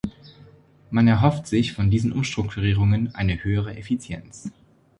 Man erhofft sich von diesen Umstrukturierungen eine höhere Effizienz.